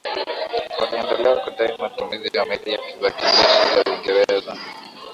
Waliendelea kudai matumizi ya meli za kijeshi za Uingereza